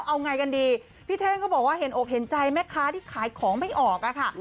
เอาไงกันดีพี่เท่งก็บอกว่าเห็นอกเห็นใจแม่ค้าที่ขายของไม่ออกอะค่ะ